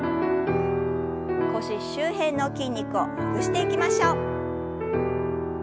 腰周辺の筋肉をほぐしていきましょう。